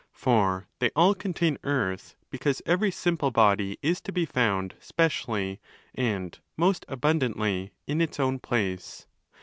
For they all contain Earth because every 'simple' body is to be found specially and most abundantly in its own place.